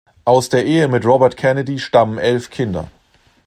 Aus der Ehe mit Robert Kennedy stammen elf Kinder.